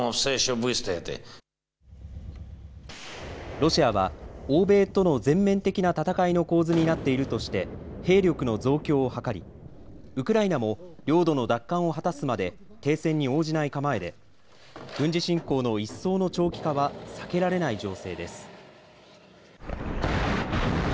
ロシアは欧米との全面的な戦いの構図になっているとして、兵力の増強を図り、ウクライナも領土の奪還を果たすまで、停戦に応じない構えで、軍事侵攻の一層の長期化は避けられない情勢です。